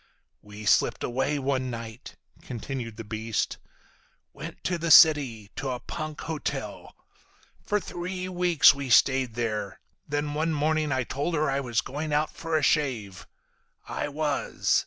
"We slipped away one night," continued the beast. "Went to the city. To a punk hotel. For three weeks we stayed there. Then one morning I told her I was going out for a shave. I was.